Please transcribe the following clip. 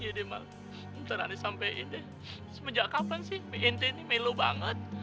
iya deh mang ntar aneh sampein deh semenjak kapan sih mie ente ini melu banget